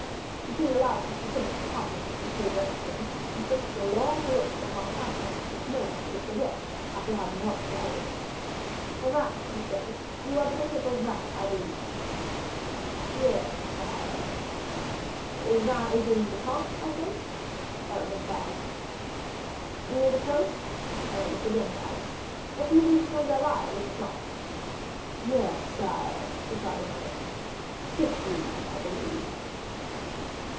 The king allowed him to finish the compliments which he addressed to him, and fixed a long look upon a countenance which no one could forget, after having once beheld it. "Vannes!" he said: "you are bishop of Vannes, I believe?" "Yes, sire." "Vannes is in Bretagne, I think?" Aramis bowed. "Near the coast?" Aramis again bowed. "A few leagues from Bell Isle, is it not?" "Yes, sire," replied Aramis; "six leagues, I believe."